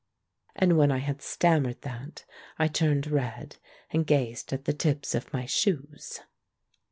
And when I had stam mered that, I turned red, and gazed at the tips of my shoes.